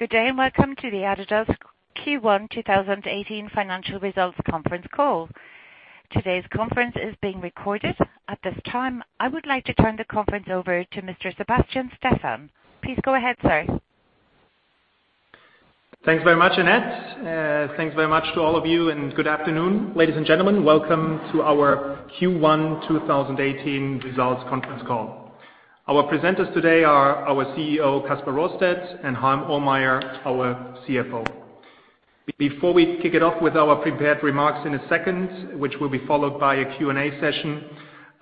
Good day, and welcome to the adidas Q1 2018 financial results conference call. Today's conference is being recorded. At this time, I would like to turn the conference over to Mr. Sebastian Steffen. Please go ahead, sir. Thanks very much, Annette. Thanks very much to all of you, and good afternoon, ladies and gentlemen. Welcome to our Q1 2018 results conference call. Our presenters today are our CEO, Kasper Rørsted, and Harm Ohlmeyer, our CFO. Before we kick it off with our prepared remarks in a second, which will be followed by a Q&A session,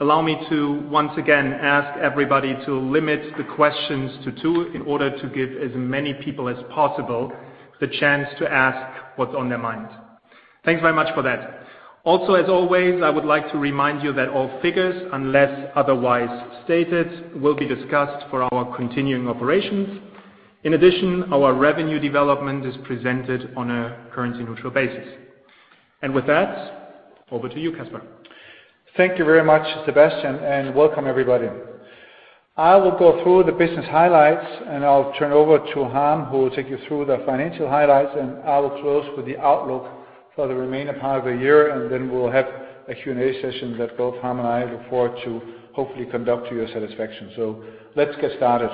allow me to once again ask everybody to limit the questions to 2 in order to give as many people as possible the chance to ask what's on their minds. Thanks very much for that. Also, as always, I would like to remind you that all figures, unless otherwise stated, will be discussed for our continuing operations. In addition, our revenue development is presented on a currency-neutral basis. With that, over to you, Kasper. Thank you very much, Sebastian, and welcome everybody. I will go through the business highlights, and I'll turn over to Harm, who will take you through the financial highlights, and I will close with the outlook for the remaining part of the year. Then we'll have a Q&A session that both Harm and I look forward to hopefully conduct to your satisfaction. Let's get started.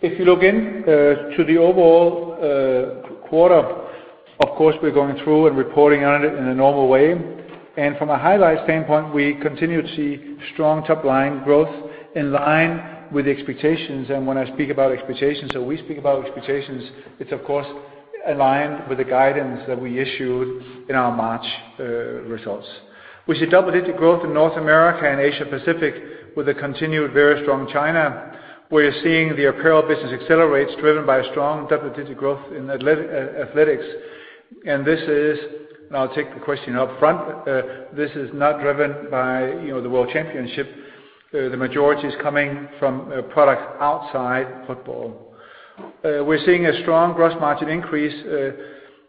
If you look into the overall quarter, of course, we're going through and reporting on it in a normal way. From a highlight standpoint, we continue to see strong top-line growth in line with the expectations. When I speak about expectations, or we speak about expectations, it's of course aligned with the guidance that we issued in our March results. We see double-digit growth in North America and Asia Pacific with a continued very strong China. We're seeing the apparel business accelerate, driven by strong double-digit growth in athletics. This is, and I'll take the question up front, this is not driven by the World Championship. The majority is coming from products outside football. We're seeing a strong gross margin increase,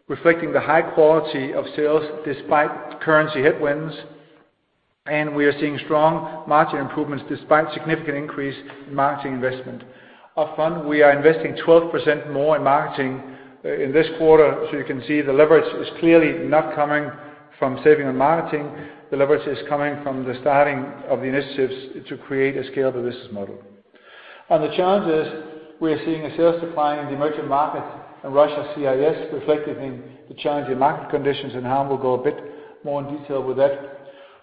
reflecting the high quality of sales despite currency headwinds. We are seeing strong margin improvements despite significant increase in marketing investment. Up front, we are investing 12% more in marketing in this quarter. So you can see the leverage is clearly not coming from saving on marketing. The leverage is coming from the starting of the initiatives to create a scalable business model. On the challenges, we're seeing a sales decline in the emerging markets and Russia CIS, reflecting the challenging market conditions. Harm will go a bit more in detail with that.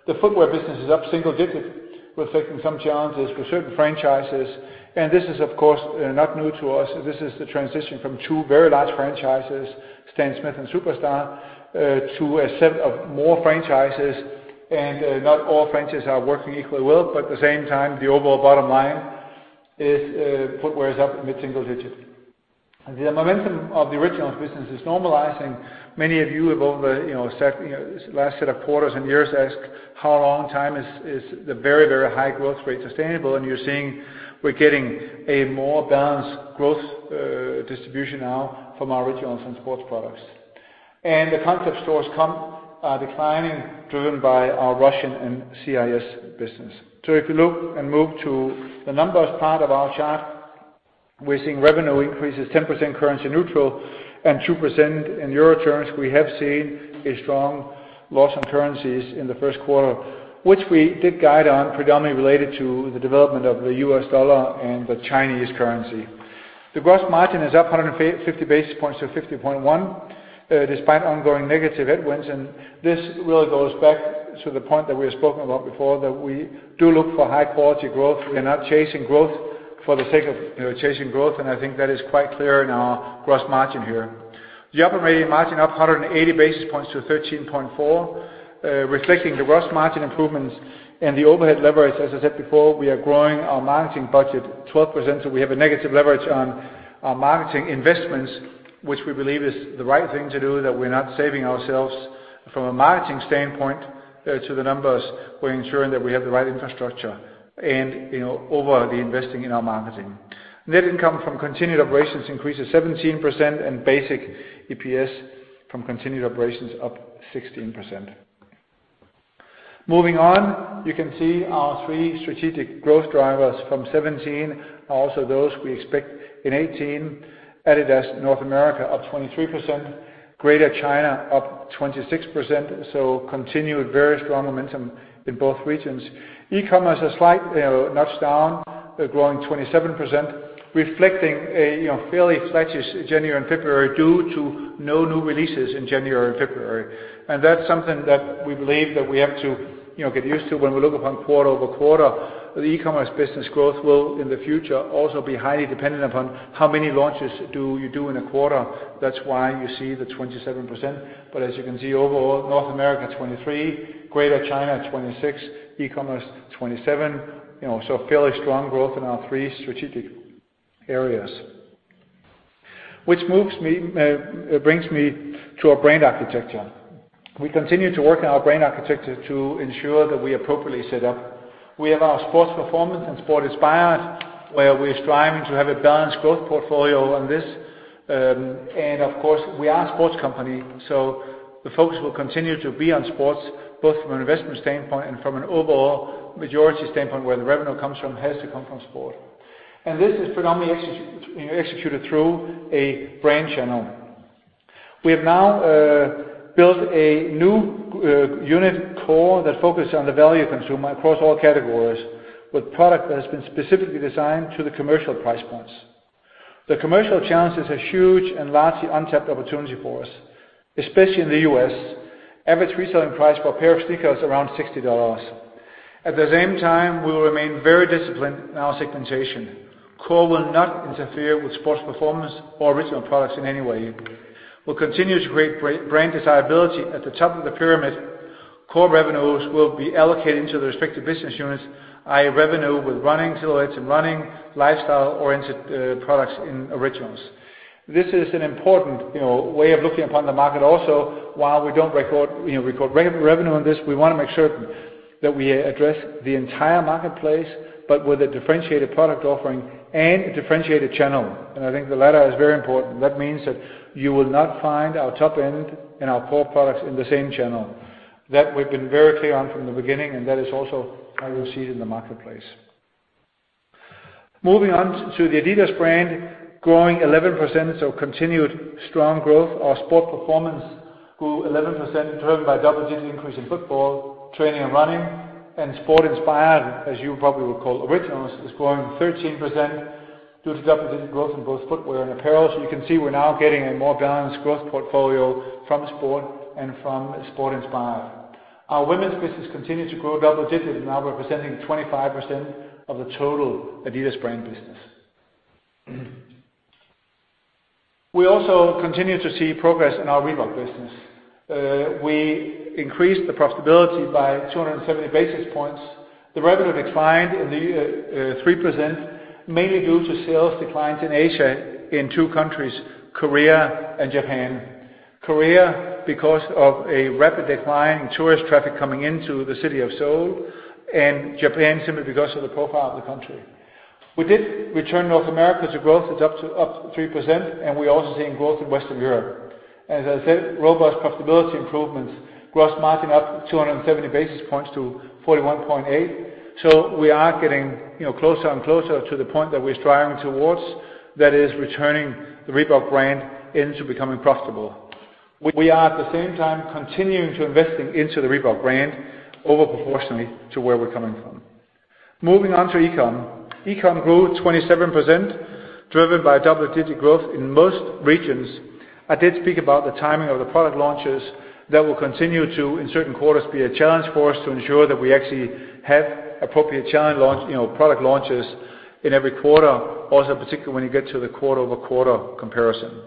The footwear business is up single digits, reflecting some challenges with certain franchises, and this is, of course, not new to us. This is the transition from two very large franchises, Stan Smith and Superstar, to a set of more franchises, and not all franchises are working equally well. At the same time, the overall bottom line is footwear is up mid-single digits. The momentum of the Originals business is normalizing. Many of you have over the last set of quarters and years asked how long time is the very, very high growth rate sustainable, and you're seeing we're getting a more balanced growth distribution now from our Originals and sports products. The concept stores comp are declining, driven by our Russian and CIS business. If you look and move to the numbers part of our chart, we're seeing revenue increases 10% currency neutral and 2% in EUR terms. We have seen a strong loss on currencies in the first quarter, which we did guide on, predominantly related to the development of the US dollar and the Chinese currency. The gross margin is up 150 basis points to 50.1%, despite ongoing negative headwinds, and this really goes back to the point that we have spoken about before, that we do look for high-quality growth. We are not chasing growth for the sake of chasing growth, I think that is quite clear in our gross margin here. The operating margin up 180 basis points to 13.4%, reflecting the gross margin improvements and the overhead leverage. As I said before, we are growing our marketing budget 12%, so we have a negative leverage on our marketing investments, which we believe is the right thing to do, that we're not saving ourselves from a marketing standpoint to the numbers. We're ensuring that we have the right infrastructure and over the investing in our marketing. Net income from continued operations increases 17%, and basic EPS from continued operations up 16%. Moving on, you can see our three strategic growth drivers from 2017, also those we expect in 2018. adidas North America up 23%, Greater China up 26%, continued very strong momentum in both regions. E-commerce a slight notch down, growing 27%, reflecting a fairly flattish January and February due to no new releases in January and February. That's something that we believe that we have to get used to when we look upon quarter-over-quarter. The e-commerce business growth will, in the future, also be highly dependent upon how many launches do you do in a quarter. That's why you see the 27%. As you can see overall, North America 23%, Greater China 26%, e-commerce 27%. Fairly strong growth in our three strategic areas. Which brings me to our brand architecture. We continue to work on our brand architecture to ensure that we are appropriately set up. We have our sports performance and sport inspired, where we are striving to have a balanced growth portfolio on this. Of course, we are a sports company, so the focus will continue to be on sports, both from an investment standpoint and from an overall majority standpoint, where the revenue comes from, has to come from sport. This is predominantly executed through a brand channel. We have now built a new unit, Core, that focuses on the value consumer across all categories with product that has been specifically designed to the commercial price points. The commercial channels is a huge and largely untapped opportunity for us, especially in the U.S. Average reselling price for a pair of sneakers around $60. At the same time, we will remain very disciplined in our segmentation. Core will not interfere with sports performance or Originals products in any way. We'll continue to create brand desirability at the top of the pyramid. Core revenues will be allocated into the respective business units, i.e. revenue with running silhouettes and running lifestyle-oriented products in Originals. This is an important way of looking upon the market also. While we record revenue on this, we want to make certain that we address the entire marketplace, but with a differentiated product offering and a differentiated channel. I think the latter is very important. That means that you will not find our top end and our Core products in the same channel. That we've been very clear on from the beginning, and that is also how you will see it in the marketplace. Moving on to the adidas brand, growing 11%, continued strong growth. Our sport performance grew 11%, driven by double-digit increase in football, training, and running, and sport-inspired, as you probably would call Originals, is growing 13% due to double-digit growth in both footwear and apparel. You can see we're now getting a more balanced growth portfolio from sport and from sport-inspired. Our women's business continues to grow double digits, now representing 25% of the total adidas brand business. We also continue to see progress in our Reebok business. We increased the profitability by 270 basis points. The revenue declined 3%, mainly due to sales declines in Asia in two countries, Korea and Japan. Korea because of a rapid decline in tourist traffic coming into the city of Seoul, and Japan simply because of the profile of the country. We did return North America to growth. It's up 3%, and we're also seeing growth in Western Europe. As I said, robust profitability improvements. Gross margin up 270 basis points to 41.8%. We are getting closer and closer to the point that we're striving towards, that is returning the Reebok brand into becoming profitable. We are at the same time continuing to investing into the Reebok brand over proportionally to where we're coming from. Moving on to e-com. E-com grew 27%, driven by double-digit growth in most regions. I did speak about the timing of the product launches that will continue to, in certain quarters, be a challenge for us to ensure that we actually have appropriate product launches in every quarter. Also, particularly when you get to the quarter-over-quarter comparison.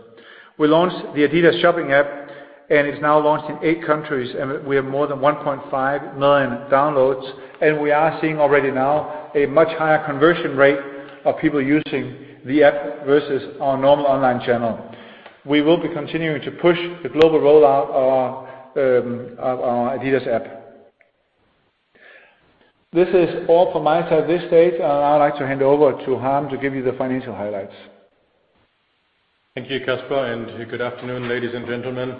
We launched the adidas shopping app, and it's now launched in eight countries, and we have more than 1.5 million downloads, and we are seeing already now a much higher conversion rate of people using the app versus our normal online channel. We will be continuing to push the global rollout of our adidas app. This is all from my side this stage. I'd like to hand over to Harm to give you the financial highlights. Thank you, Kasper, and good afternoon, ladies and gentlemen.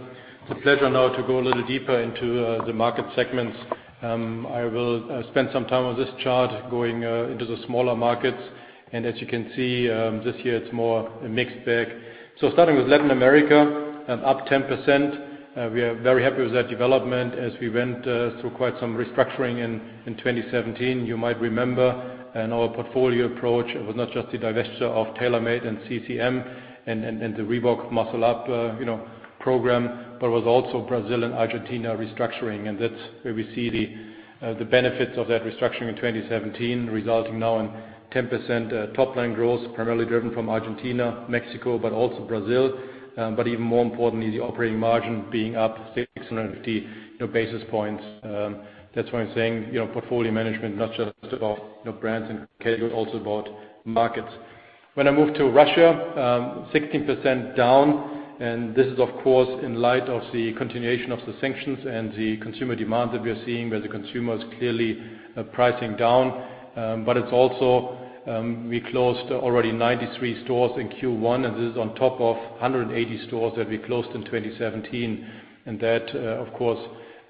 It's a pleasure now to go a little deeper into the market segments. I will spend some time on this chart going into the smaller markets. As you can see, this year it's more a mixed bag. Starting with Latin America, up 10%. We are very happy with that development as we went through quite some restructuring in 2017. You might remember in our portfolio approach, it was not just the divesture of TaylorMade and CCM and the Reebok Muscle Up program, but it was also Brazil and Argentina restructuring, and that's where we see the benefits of that restructuring in 2017, resulting now in 10% top-line growth, primarily driven from Argentina, Mexico, but also Brazil. Even more importantly, the operating margin being up 650 basis points. That's why I'm saying, portfolio management, not just about brands and category, also about markets. When I move to Russia, 16% down. This is, of course, in light of the continuation of the sanctions and the consumer demand that we are seeing, where the consumer is clearly pricing down. It's also, we closed already 93 stores in Q1. This is on top of 180 stores that we closed in 2017. That, of course,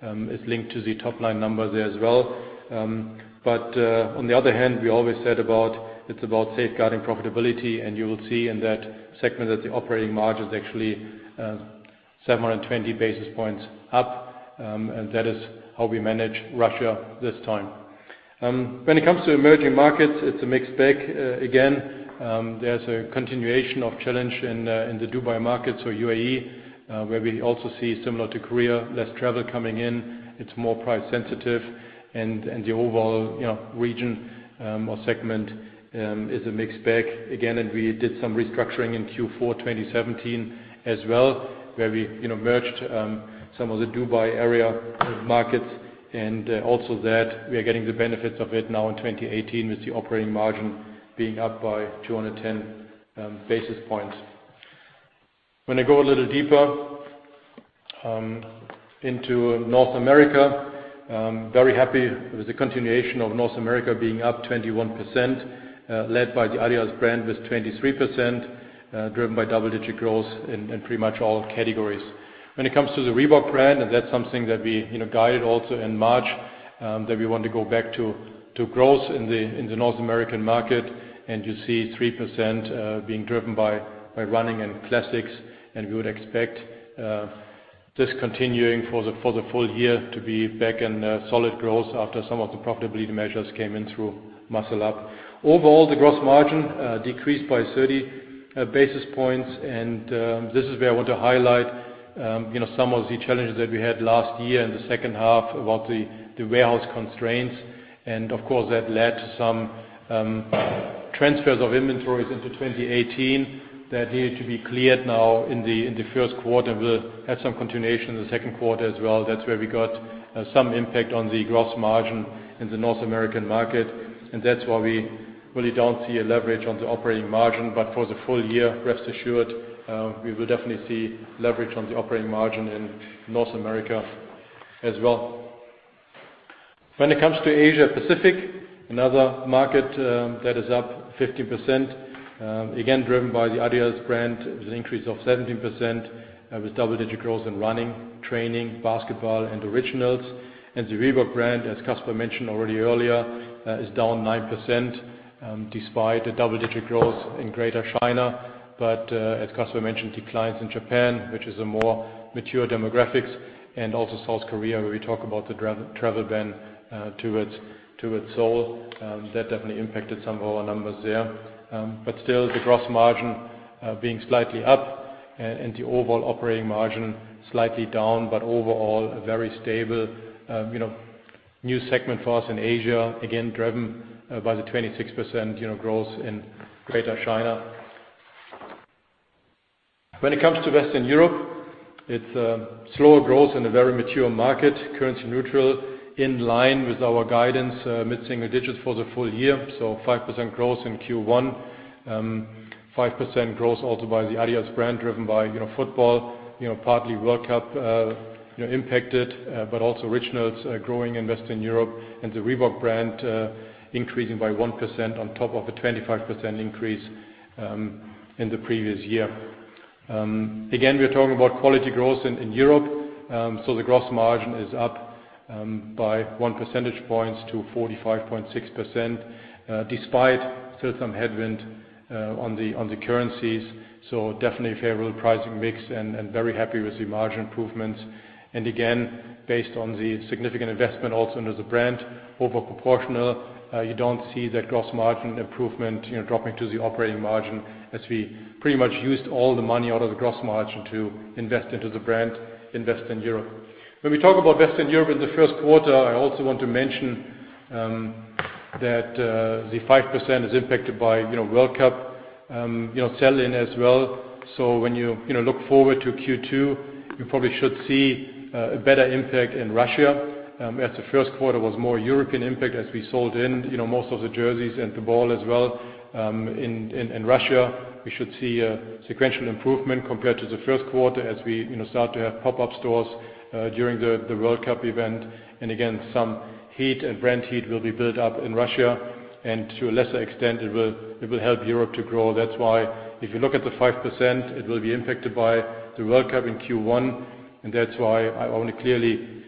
is linked to the top-line number there as well. On the other hand, we always said about, it's about safeguarding profitability, and you will see in that segment that the operating margin is actually 720 basis points up, and that is how we manage Russia this time. When it comes to emerging markets, it's a mixed bag. Again, there's a continuation of challenge in the Dubai market, so UAE, where we also see similar to Korea, less travel coming in. It's more price sensitive. The overall region or segment is a mixed bag. Again, we did some restructuring in Q4 2017 as well, where we merged some of the Dubai area markets. Also that we are getting the benefits of it now in 2018 with the operating margin being up by 210 basis points. When I go a little deeper into North America. Very happy with the continuation of North America being up 21%, led by the adidas brand, with 23% driven by double-digit growth in pretty much all categories. When it comes to the Reebok brand, that's something that we guided also in March, that we want to go back to growth in the North American market. You see 3% being driven by running and classics. We would expect this continuing for the full year to be back in solid growth after some of the profitability measures came in through Muscle Up. Overall, the gross margin decreased by 30 basis points. This is where I want to highlight some of the challenges that we had last year in the second half about the warehouse constraints. Of course, that led to some transfers of inventories into 2018 that needed to be cleared now in the first quarter. We'll have some continuation in the second quarter as well. That's where we got some impact on the gross margin in the North American market, and that's why we really don't see a leverage on the operating margin. For the full year, rest assured, we will definitely see leverage on the operating margin in North America as well. When it comes to Asia Pacific, another market that is up 15%, again driven by the adidas brand. It was an increase of 17% with double-digit growth in running, training, basketball, and originals. The Reebok brand, as Kasper mentioned already earlier, is down 9% despite the double-digit growth in Greater China. As Kasper mentioned, declines in Japan, which is a more mature demographics and also South Korea, where we talk about the travel ban towards Seoul. That definitely impacted some of our numbers there. Still, the gross margin being slightly up and the overall operating margin slightly down, but overall, a very stable new segment for us in Asia. Again, driven by the 26% growth in Greater China. When it comes to Western Europe, it's a slower growth in a very mature market, currency neutral, in line with our guidance, mid-single digits for the full year. 5% growth in Q1. 5% growth also by the adidas brand, driven by football, partly World Cup impacted, but also originals growing in Western Europe and the Reebok brand increasing by 1% on top of a 25% increase in the previous year. We are talking about quality growth in Europe. The gross margin is up by one percentage point to 45.6%, despite still some headwind on the currencies. Definitely favorable pricing mix and very happy with the margin improvements. Again, based on the significant investment also under the brand, over proportional, you don't see that gross margin improvement dropping to the operating margin as we pretty much used all the money out of the gross margin to invest into the brand in Western Europe. When we talk about Western Europe in the first quarter, I also want to mention that the 5% is impacted by World Cup sell-in as well. When you look forward to Q2, you probably should see a better impact in Russia as the first quarter was more European impact as we sold in most of the jerseys and the ball as well. In Russia, we should see a sequential improvement compared to the first quarter as we start to have pop-up stores during the World Cup event. Again, some heat and brand heat will be built up in Russia, and to a lesser extent, it will help Europe to grow. That's why if you look at the 5%, it will be impacted by the World Cup in Q1, and that's why I want to clearly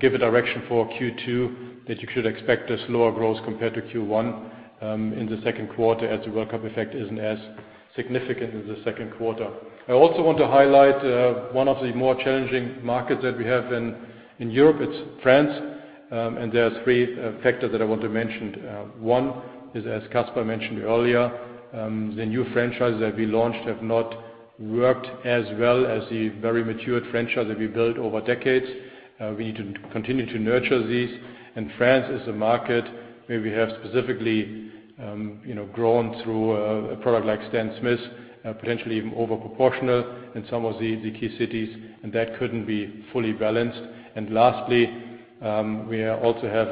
give a direction for Q2 that you should expect a slower growth compared to Q1 in the second quarter as the World Cup effect isn't as significant in the second quarter. I also want to highlight one of the more challenging markets that we have in Europe. It's France. There are three factors that I want to mention. One is, as Kasper mentioned earlier, the new franchises that we launched have not worked as well as the very matured franchises we built over decades. We need to continue to nurture these. France is a market where we have specifically grown through a product like Stan Smith, potentially even over proportional in some of the key cities, and that couldn't be fully balanced. Lastly, we also have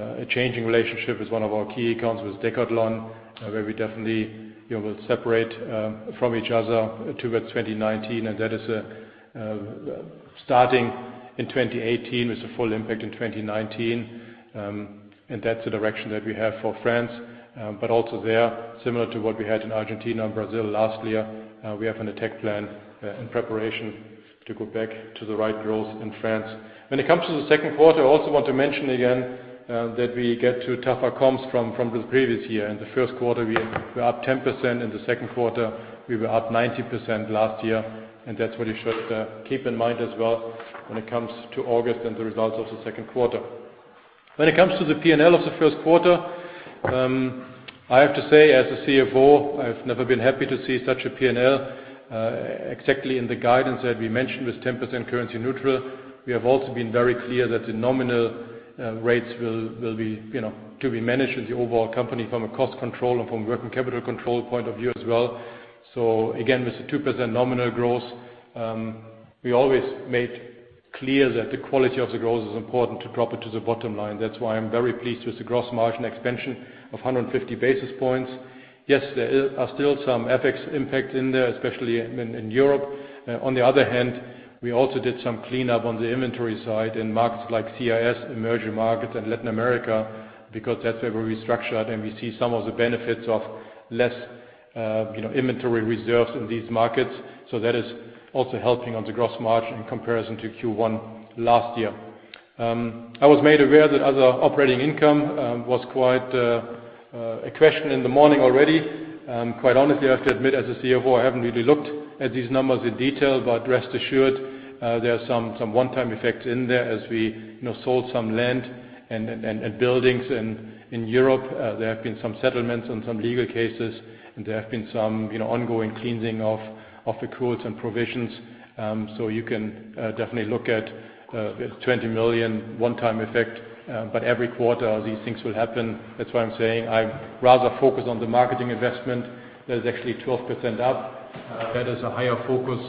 a changing relationship with one of our key accounts with Decathlon, where we definitely will separate from each other towards 2019, and that is starting in 2018 with the full impact in 2019. That's the direction that we have for France. Also there, similar to what we had in Argentina and Brazil last year, we have an attack plan in preparation to go back to the right growth in France. When it comes to the second quarter, I also want to mention again that we get to tougher comps from the previous year. In the first quarter, we are up 10%. In the second quarter, we were up 19% last year, that's what you should keep in mind as well when it comes to August and the results of the second quarter. When it comes to the P&L of the first quarter, I have to say, as the CFO, I've never been happy to see such a P&L exactly in the guidance that we mentioned, with 10% currency neutral. We have also been very clear that the nominal rates will be managed with the overall company from a cost control and from working capital control point of view as well. Again, with the 2% nominal growth, we always made clear that the quality of the growth is important to drop it to the bottom line. That's why I'm very pleased with the gross margin expansion of 150 basis points. Yes, there are still some FX impacts in there, especially in Europe. On the other hand, we also did some cleanup on the inventory side in markets like CIS, emerging markets, and Latin America because that's where we restructured, and we see some of the benefits of less inventory reserves in these markets. That is also helping on the gross margin in comparison to Q1 last year. I was made aware that other operating income was quite a question in the morning already. Quite honestly, I have to admit, as the CFO, I haven't really looked at these numbers in detail, but rest assured, there are some one-time effects in there as we sold some land and buildings in Europe. There have been some settlements on some legal cases, and there have been some ongoing cleansing of accruals and provisions. You can definitely look at 20 million one-time effect, but every quarter, these things will happen. That's why I'm saying I'd rather focus on the marketing investment that is actually 12% up. That is a higher focus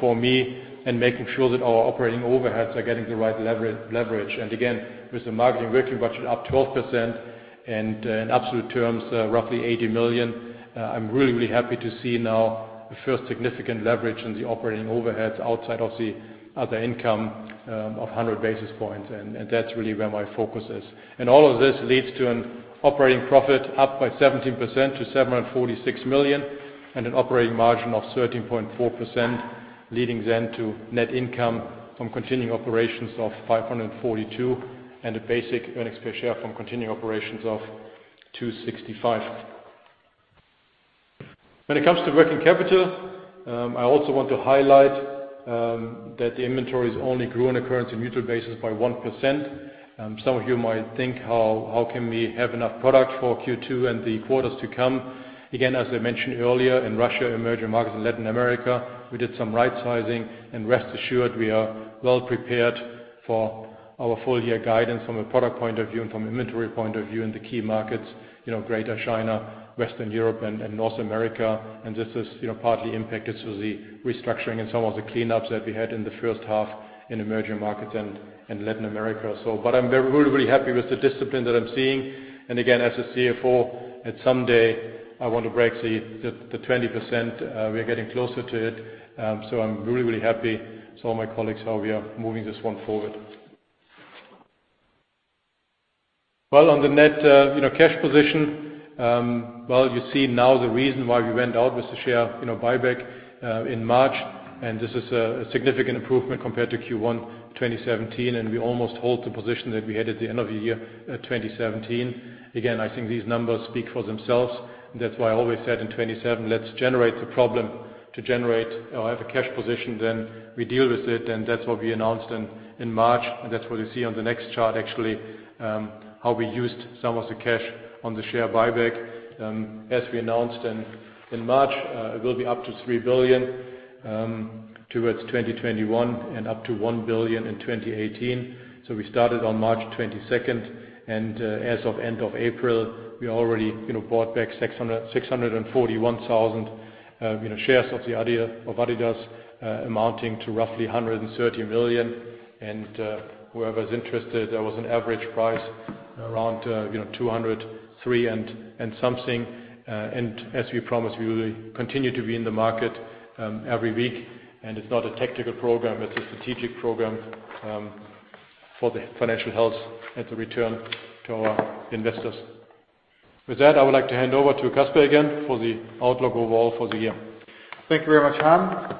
for me and making sure that our operating overheads are getting the right leverage. Again, with the marketing working budget up 12% and in absolute terms, roughly 80 million, I'm really, really happy to see now the first significant leverage in the operating overheads outside of the other income of 100 basis points. That's really where my focus is. All of this leads to an operating profit up by 17% to 746 million and an operating margin of 13.4%, leading then to net income from continuing operations of 542 million and a basic earnings per share from continuing operations of 2.65. When it comes to working capital, I also want to highlight that the inventories only grew on a currency neutral basis by 1%. Some of you might think, how can we have enough product for Q2 and the quarters to come? Again, as I mentioned earlier, in Russia, emerging markets, and Latin America, we did some right-sizing. Rest assured, we are well prepared for our full year guidance from a product point of view and from an inventory point of view in the key markets, Greater China, Western Europe, and North America. This is partly impacted through the restructuring and some of the cleanups that we had in the first half in emerging markets and Latin America. I'm really, really happy with the discipline that I'm seeing. Again, as a CFO, at some day, I want to break the 20%. We're getting closer to it. I'm really, really happy, so are my colleagues, how we are moving this one forward. On the net cash position. You see now the reason why we went out with the share buyback in March. This is a significant improvement compared to Q1 2017. We almost hold the position that we had at the end of the year 2017. Again, I think these numbers speak for themselves. That's why I always said in 2017, let's generate the problem to generate or have a cash position. Then we deal with it. That's what we announced in March. That's what you see on the next chart, actually, how we used some of the cash on the share buyback. As we announced in March, it will be up to 3 billion towards 2021 and up to 1 billion in 2018. We started on March 22nd. As of end of April, we already bought back 641,000 shares of adidas amounting to roughly 130 million. Whoever's interested, there was an average price around 203 and something. As we promised, we will continue to be in the market every week. It's not a tactical program, it's a strategic program for the financial health and the return to our investors. With that, I would like to hand over to Kasper again for the outlook overall for the year. Thank you very much, Harm.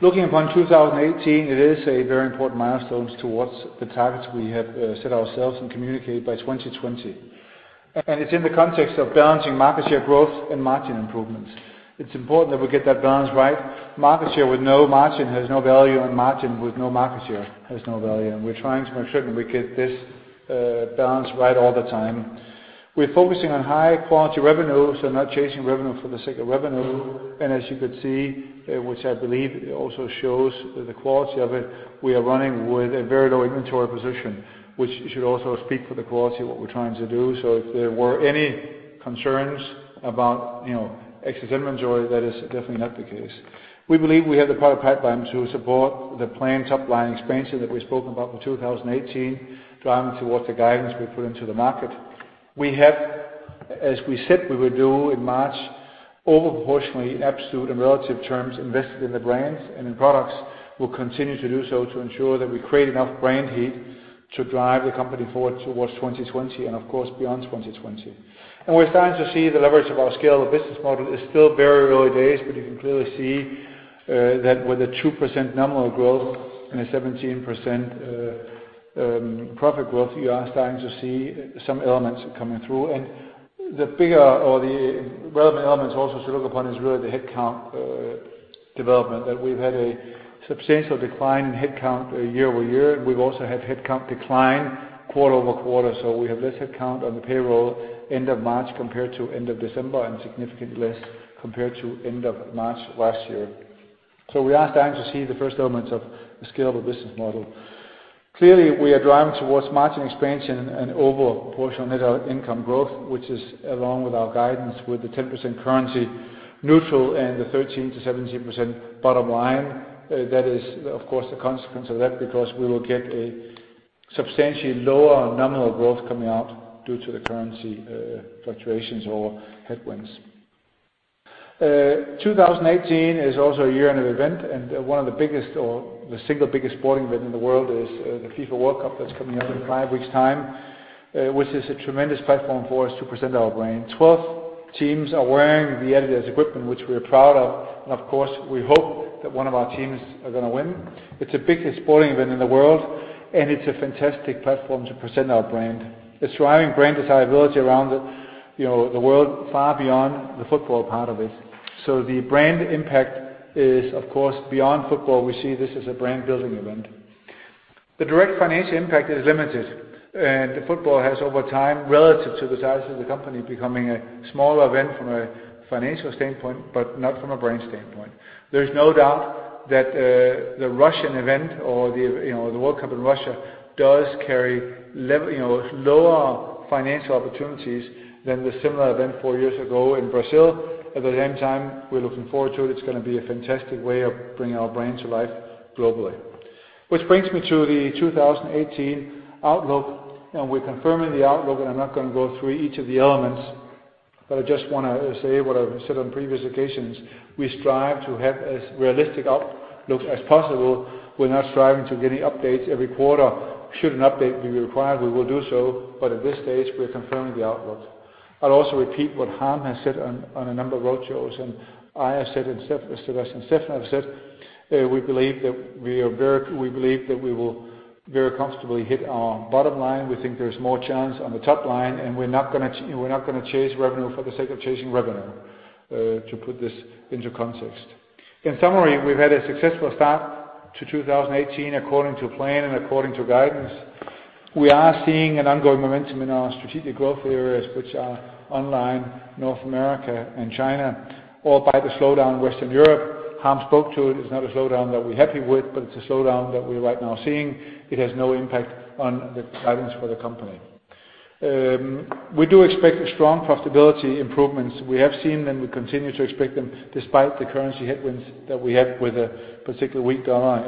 Looking upon 2018, it is a very important milestone towards the targets we have set ourselves and communicated by 2020. It's in the context of balancing market share growth and margin improvements. It's important that we get that balance right. Market share with no margin has no value, and margin with no market share has no value, and we're trying to make sure that we get this balance right all the time. We're focusing on high quality revenues and not chasing revenue for the sake of revenue. As you could see, which I believe also shows the quality of it, we are running with a very low inventory position, which should also speak for the quality of what we're trying to do. If there were any concerns about excess inventory, that is definitely not the case. We believe we have the product pipeline to support the planned top line expansion that we spoke about for 2018, driving towards the guidance we put into the market. We have, as we said we would do in March, over proportionally in absolute and relative terms, invested in the brands and in products. We'll continue to do so to ensure that we create enough brand heat to drive the company forward towards 2020 and of course, beyond 2020. We're starting to see the leverage of our scalable business model. It's still very early days, but you can clearly see that with a 2% nominal growth and a 17% profit growth, you are starting to see some elements coming through. The bigger or the relevant elements also to look upon is really the headcount development, that we've had a substantial decline in headcount year-over-year. We've also had headcount decline quarter-over-quarter. We have less headcount on the payroll end of March compared to end of December and significantly less compared to end of March last year. We are starting to see the first elements of the scalable business model. Clearly, we are driving towards margin expansion and overall proportional net income growth, which is along with our guidance with the 10% currency neutral and the 13%-17% bottom line. That is, of course, the consequence of that because we will get a substantially lower nominal growth coming out due to the currency fluctuations or headwinds. 2018 is also a year of an event, and one of the biggest, or the single biggest sporting event in the world is the FIFA World Cup that's coming up in five weeks' time, which is a tremendous platform for us to present our brand. 12 teams are wearing the adidas equipment, which we're proud of. Of course, we hope that one of our teams are going to win. It's the biggest sporting event in the world, and it's a fantastic platform to present our brand. It's driving brand desirability around the world far beyond the football part of it. The brand impact is, of course, beyond football. The direct financial impact is limited, and football has over time, relative to the size of the company, becoming a smaller event from a financial standpoint, but not from a brand standpoint. There's no doubt that the Russian event or the World Cup in Russia does carry lower financial opportunities than the similar event four years ago in Brazil. At the same time, we're looking forward to it. It's going to be a fantastic way of bringing our brand to life globally. Which brings me to the 2018 outlook. We're confirming the outlook. I'm not going to go through each of the elements. I just want to say what I've said on previous occasions. We strive to have as realistic outlook as possible. We're not striving to give any updates every quarter. Should an update be required, we will do so, but at this stage, we're confirming the outlook. I'll also repeat what Harm has said on a number of roadshows. I have said it, Sebastian and Steph have said, we believe that we will very comfortably hit our bottom line. We think there's more chance on the top line. We're not going to chase revenue for the sake of chasing revenue, to put this into context. In summary, we've had a successful start to 2018 according to plan and according to guidance. We are seeing an ongoing momentum in our strategic growth areas, which are online, North America, and China, all by the slowdown in Western Europe. Harm spoke to it. It's not a slowdown that we're happy with. It's a slowdown that we're right now seeing. It has no impact on the guidance for the company. We do expect strong profitability improvements. We have seen them, we continue to expect them despite the currency headwinds that we have with a particularly weak US dollar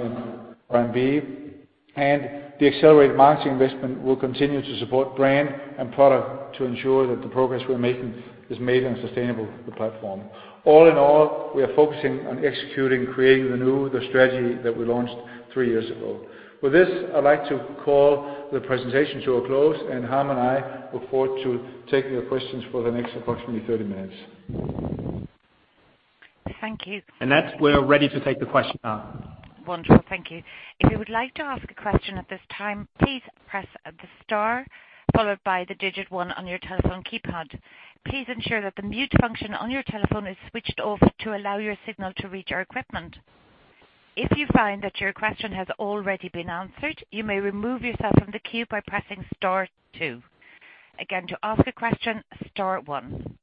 and RMB. The accelerated marketing investment will continue to support brand and product to ensure that the progress we're making is made on a sustainable platform. All in all, we are focusing on executing Creating the New, the strategy that we launched three years ago. With this, I'd like to call the presentation to a close. Harm and I look forward to taking your questions for the next approximately 30 minutes. Thank you. That's we're ready to take the question now. Wonderful. Thank you. If you would like to ask a question at this time, please press the star followed by the digit 1 on your telephone keypad. Please ensure that the mute function on your telephone is switched off to allow your signal to reach our equipment. If you find that your question has already been answered, you may remove yourself from the queue by pressing star 2. Again, to ask a question, star 1.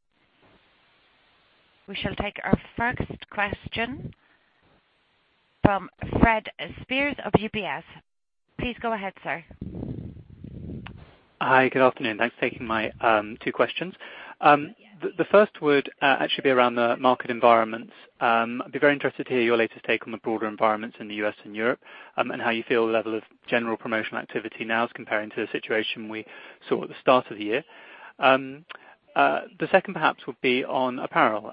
We shall take our first question from Fred Speirs of UBS. Please go ahead, sir. Hi. Good afternoon. Thanks for taking my two questions. Yes. The first would actually be around the market environment. I'd be very interested to hear your latest take on the broader environments in the U.S. and Europe, and how you feel the level of general promotional activity now is comparing to the situation we saw at the start of the year. The second perhaps would be on apparel.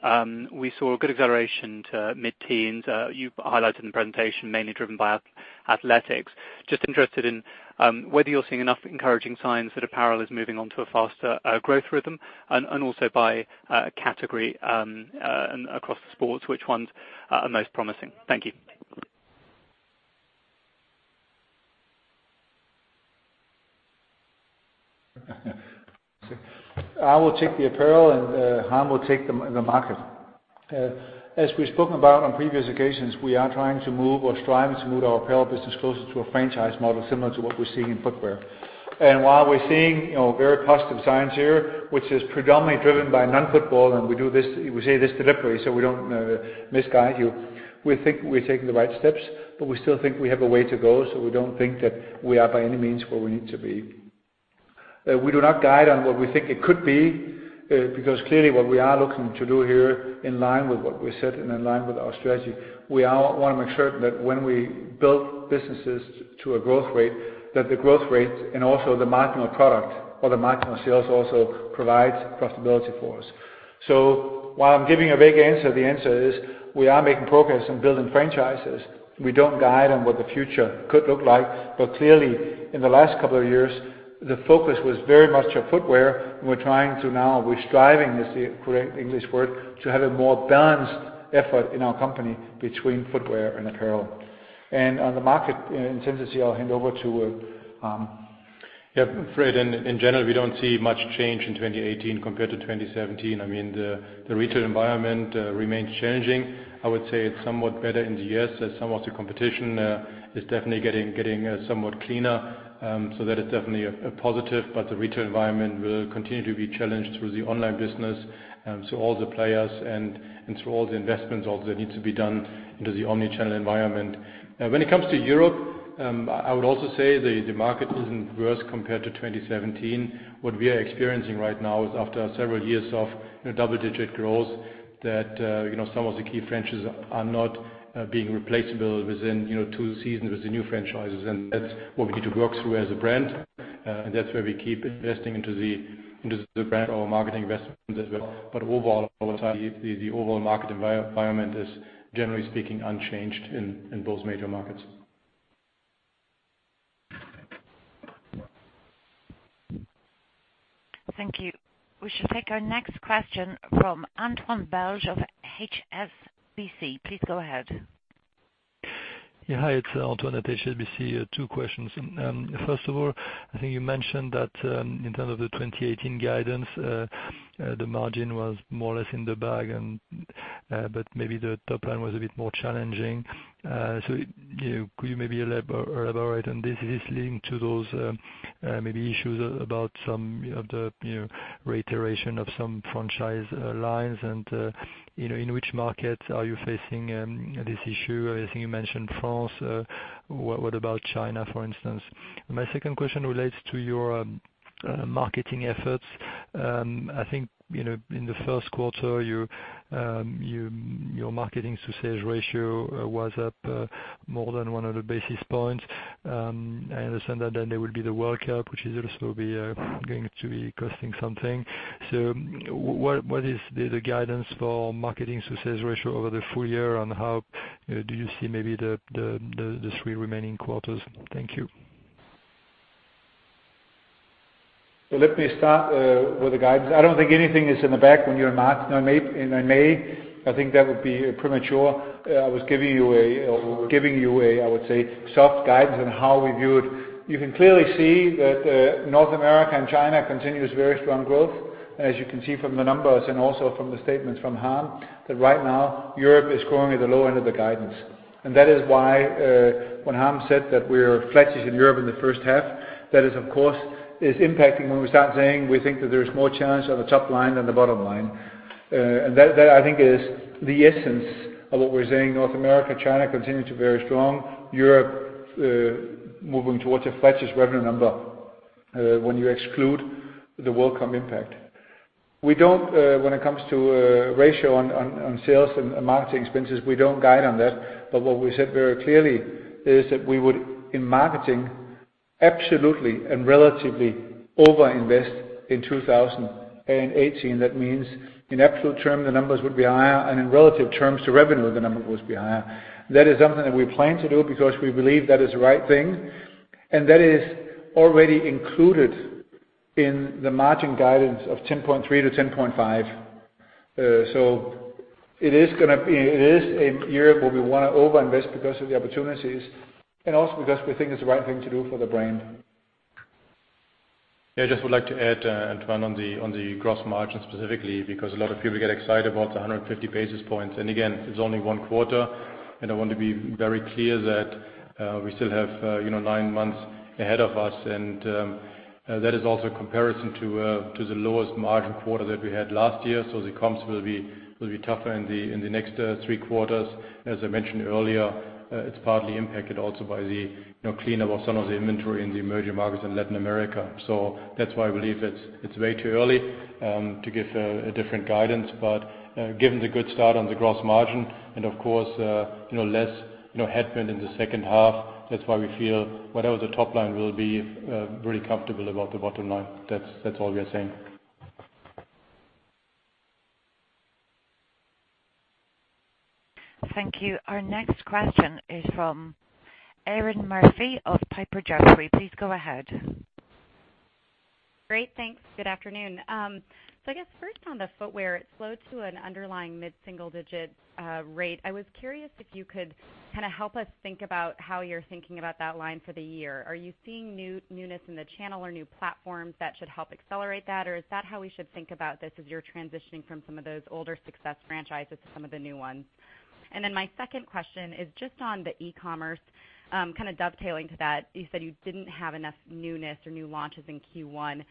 We saw a good acceleration to mid-teens. You highlighted in the presentation, mainly driven by athletics. Just interested in whether you're seeing enough encouraging signs that apparel is moving on to a faster growth rhythm, and also by category across the sports, which ones are most promising? Thank you. I will take the apparel, Harm Ohlmeyer will take the market. As we've spoken about on previous occasions, we are trying to move or striving to move our apparel business closer to a franchise model similar to what we see in footwear. While we're seeing very positive signs here, which is predominantly driven by non-football, and we say this deliberately so we don't misguide you. We think we're taking the right steps, but we still think we have a way to go, we don't think that we are by any means where we need to be. We do not guide on what we think it could be, because clearly what we are looking to do here in line with what we said and in line with our strategy, we want to make sure that when we build businesses to a growth rate, that the growth rate and also the marginal product or the marginal sales also provides profitability for us. While I'm giving a vague answer, the answer is we are making progress in building franchises. We don't guide on what the future could look like, clearly in the last couple of years, the focus was very much on footwear, we're trying to now, we're striving, is the correct English word, to have a more balanced effort in our company between footwear and apparel. On the market intensity, I'll hand over to Harm Ohlmeyer. Fred Speirs, in general, we don't see much change in 2018 compared to 2017. The retail environment remains challenging. I would say it's somewhat better in the U.S. as some of the competition is definitely getting somewhat cleaner. That is definitely a positive, the retail environment will continue to be challenged through the online business, through all the players, and through all the investments also that need to be done into the omni-channel environment. When it comes to Europe, I would also say the market isn't worse compared to 2017. What we are experiencing right now is, after several years of double-digit growth, that some of the key franchises are not being replaceable within two seasons with the new franchises, that's what we need to work through as a brand. That's where we keep investing into the brand or marketing investments as well. Overall, the overall market environment is, generally speaking, unchanged in both major markets. Thank you. We shall take our next question from [Antoine Berg] of HSBC. Please go ahead. Hi, it's Antoine at HSBC. Two questions. First of all, I think you mentioned that in terms of the 2018 guidance, the margin was more or less in the bag, but maybe the top line was a bit more challenging. Could you maybe elaborate on this? Is this linked to those maybe issues about some of the reiteration of some franchise lines? In which markets are you facing this issue? I think you mentioned France. What about China, for instance? My second question relates to your marketing efforts. I think, in the first quarter, your marketing to sales ratio was up more than 100 basis points. I understand that then there will be the World Cup, which is also going to be costing something. What is the guidance for marketing to sales ratio over the full year, and how do you see maybe the three remaining quarters? Thank you. Let me start with the guidance. I don't think anything is in the bag when you're in May. I think that would be premature. I was giving you, I would say, soft guidance on how we view it. You can clearly see that North America and China continues very strong growth, as you can see from the numbers and also from the statements from Harm, that right now Europe is growing at the low end of the guidance. That is why, when Harm said that we're flattish in Europe in the first half, that is, of course, impacting when we start saying we think that there's more challenge on the top line than the bottom line. That, I think, is the essence of what we're saying. North America, China continue to very strong. Europe, moving towards a flattish revenue number when you exclude the World Cup impact. When it comes to ratio on sales and marketing expenses, we don't guide on that. What we said very clearly is that we would, in marketing, absolutely and relatively overinvest in 2018. That means in absolute term, the numbers would be higher, and in relative terms to revenue, the number would be higher. That is something that we plan to do because we believe that is the right thing, and that is already included in the margin guidance of 10.3%-10.5%. It is a year where we want to overinvest because of the opportunities and also because we think it's the right thing to do for the brand. Yeah. I just would like to add, Antoine, on the gross margin specifically, because a lot of people get excited about the 150 basis points. Again, it's only one quarter, and I want to be very clear that we still have nine months ahead of us. That is also a comparison to the lowest margin quarter that we had last year. The comps will be tougher in the next three quarters. As I mentioned earlier, it's partly impacted also by the cleanup of some of the inventory in the emerging markets in Latin America. That's why I believe it's way too early to give a different guidance. Given the good start on the gross margin and, of course, less headwind in the second half, that's why we feel whatever the top line will be, really comfortable about the bottom line. That's all we are saying. Thank you. Our next question is from Erinn Murphy of Piper Jaffray. Please go ahead. Great. Thanks. Good afternoon. I guess first on the footwear, it slowed to an underlying mid-single-digit rate. I was curious if you could kind of help us think about how you're thinking about that line for the year. Are you seeing newness in the channel or new platforms that should help accelerate that? Or is that how we should think about this as you're transitioning from some of those older success franchises to some of the new ones? My second question is just on the e-commerce, kind of dovetailing to that, you said you didn't have enough newness or new launches in Q1.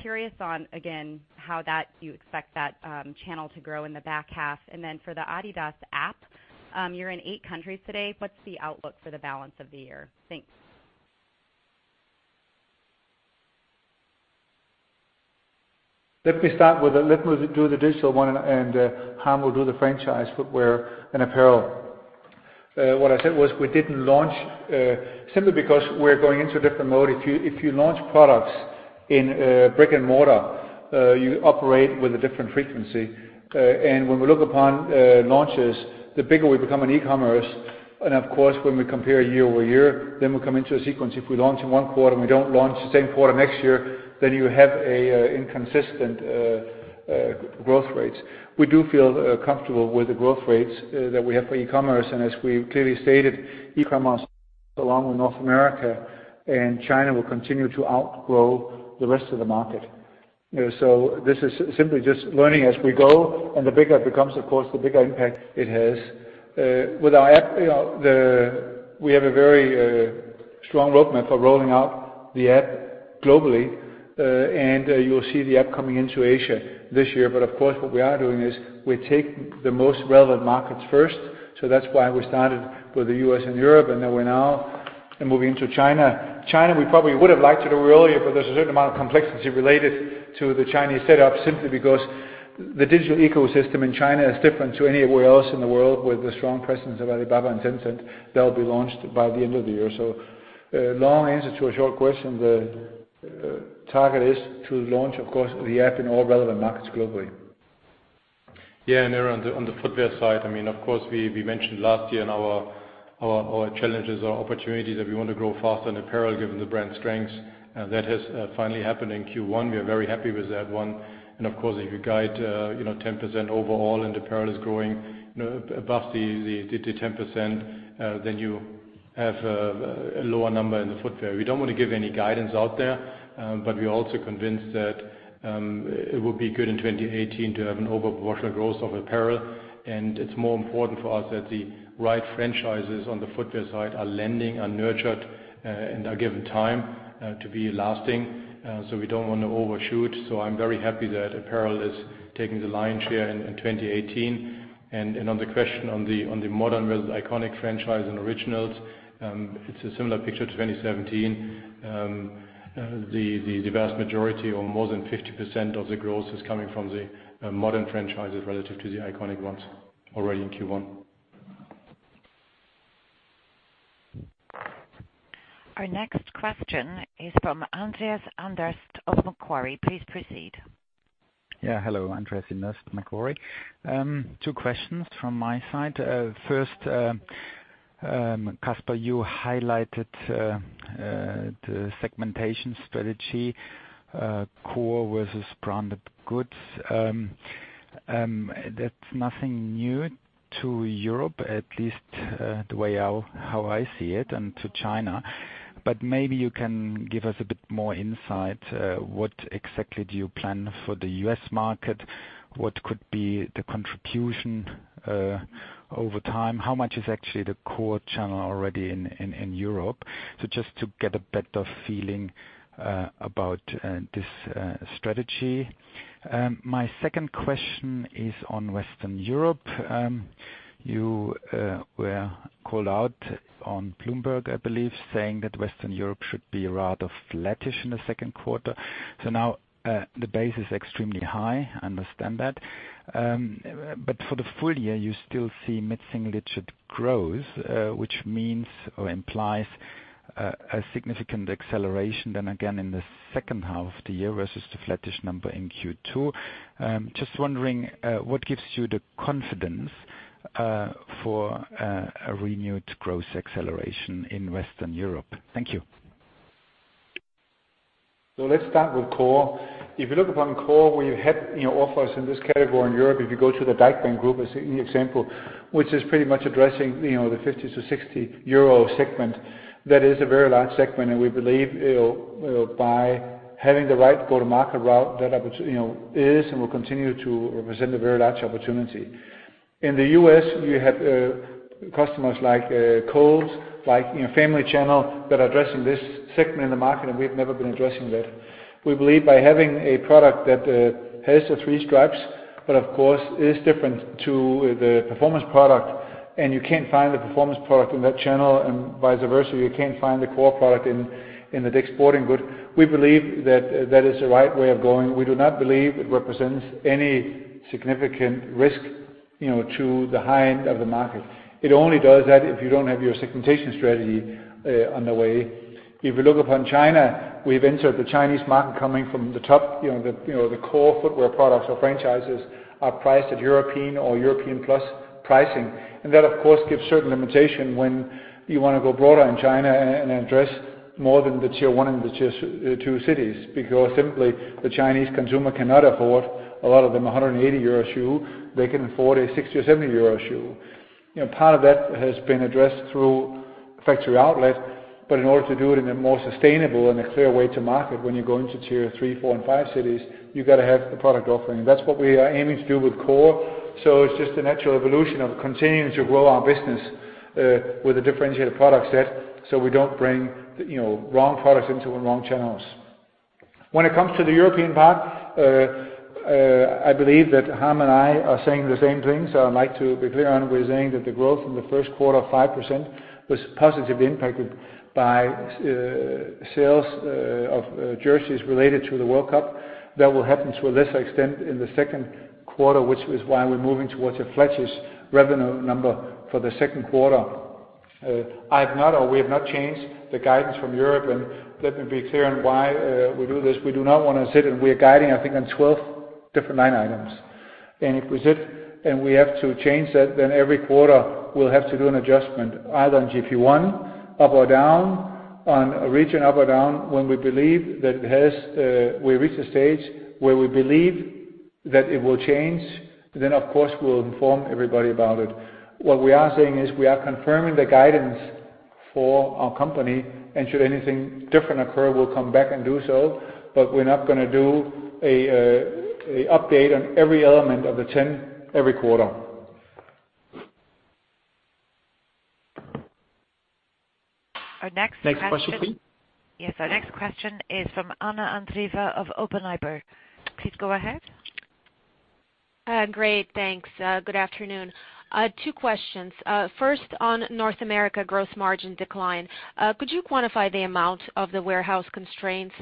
Curious on, again, how you expect that channel to grow in the back half. Then for the adidas app, you're in eight countries today. What's the outlook for the balance of the year? Thanks. Let me do the digital one, Harm will do the franchise footwear and apparel. What I said was we didn't launch, simply because we're going into a different mode. If you launch products in brick and mortar, you operate with a different frequency. When we look upon launches, the bigger we become on e-commerce, and of course, when we compare year-over-year, then we come into a sequence. If we launch in one quarter, and we don't launch the same quarter next year, then you have inconsistent growth rates. We do feel comfortable with the growth rates that we have for e-commerce, and as we clearly stated, e-commerce along with North America, and China will continue to outgrow the rest of the market. This is simply just learning as we go, and the bigger it becomes, of course, the bigger impact it has. We have a very strong roadmap for rolling out the app globally, and you'll see the app coming into Asia this year. Of course, what we are doing is we're taking the most relevant markets first. That's why we started with the U.S. and Europe, and then we're now moving to China. China, we probably would have liked to do earlier, but there's a certain amount of complexity related to the Chinese setup, simply because the digital ecosystem in China is different to anywhere else in the world, with the strong presence of Alibaba and Tencent. That'll be launched by the end of the year. Long answer to a short question, the target is to launch, of course, the app in all relevant markets globally. On the footwear side, of course, we mentioned last year in our challenges, our opportunities, that we want to grow faster than apparel given the brand strength. That has finally happened in Q1. We are very happy with that one. Of course, if you guide 10% overall and apparel is growing above the 10%, then you have a lower number in the footwear. We don't want to give any guidance out there, but we are also convinced that it will be good in 2018 to have an over-quarter growth of apparel. It's more important for us that the right franchises on the footwear side are landing, are nurtured, and are given time to be lasting. We don't want to overshoot. I'm very happy that apparel is taking the lion's share in 2018. On the question on the modern versus iconic franchise and Originals, it's a similar picture to 2017. The vast majority or more than 50% of the growth is coming from the modern franchises relative to the iconic ones already in Q1. Our next question is from Andreas Inderst of Macquarie. Please proceed. Yeah. Hello, Andreas Inderst, Macquarie. Two questions from my side. First, Kasper, you highlighted the segmentation strategy, Core versus branded goods. That's nothing new to Europe, at least the way how I see it, and to China. Maybe you can give us a bit more insight. What exactly do you plan for the U.S. market? What could be the contribution over time? How much is actually the Core channel already in Europe? Just to get a better feeling about this strategy. My second question is on Western Europe. You were called out on Bloomberg, I believe, saying that Western Europe should be rather flattish in the second quarter. Now the base is extremely high, I understand that. For the full year, you still see mid-single-digit growth, which means or implies a significant acceleration then again in the second half of the year versus the flattish number in Q2. Just wondering what gives you the confidence for a renewed growth acceleration in Western Europe. Thank you. Let's start with Core. If you look upon Core, where you have offers in this category in Europe, if you go to the Deichmann group as an example, which is pretty much addressing the 50-60 euro segment. That is a very large segment, and we believe by having the right go-to-market route, that is and will continue to represent a very large opportunity. In the U.S., you have customers like Kohl's, like Shoe Carnival, that are addressing this segment in the market, and we've never been addressing that. We believe by having a product that has the three stripes, but of course, is different to the performance product, and you can't find the performance product in that channel, and vice versa, you can't find the Core product in the Dick's Sporting Goods. We believe that that is the right way of going. We do not believe it represents any significant risk to the high end of the market. It only does that if you don't have your segmentation strategy underway. If you look upon China, we've entered the Chinese market coming from the top. The Core footwear products or franchises are priced at European or European plus pricing. That, of course, gives certain limitations when you want to go broader in China and address more than the tier 1 and the tier 2 cities, because simply, the Chinese consumer cannot afford, a lot of them, a 180 euro shoe. They can afford a 60 or 70 euro shoe. Part of that has been addressed through factory outlet, but in order to do it in a more sustainable and a clear way to market, when you go into tier 3, 4, and 5 cities, you've got to have the product offering. That's what we are aiming to do with Core. It's just a natural evolution of continuing to grow our business with a differentiated product set so we don't bring wrong products into the wrong channels. When it comes to the European part, I believe that Harm and I are saying the same thing, so I'd like to be clear on we're saying that the growth in the first quarter of 5% was positively impacted by sales of jerseys related to the World Cup. That will happen to a lesser extent in the second quarter, which is why we're moving towards a flattish revenue number for the second quarter. I have not, or we have not changed the guidance from Europe, and let me be clear on why we do this. We do not want to sit, and we are guiding, I think, on 12 different line items. If we sit and we have to change that, then every quarter we'll have to do an adjustment either on GP 1 up or down, on a region up or down. When we believe that we've reached a stage where we believe that it will change, of course, we'll inform everybody about it. What we are saying is we are confirming the guidance for our company, and should anything different occur, we'll come back and do so, but we're not going to do an update on every element of the 10 every quarter. Our next question. Next question, please. Yes. Our next question is from Anna Andreeva of Oppenheimer. Please go ahead. Great, thanks. Good afternoon. Two questions. First, on North America gross margin decline. Could you quantify the amount of the warehouse constraints?